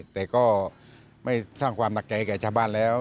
แต่ก็ไม่สร้างความหนักใจแก่ชาวบ้านแล้ว